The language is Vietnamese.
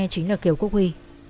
chính là kiều quốc huy